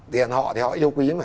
tiền họ thì họ yêu quý mà